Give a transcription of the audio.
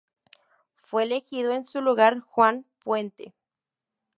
Fue elegido en su lugar Juan Puente.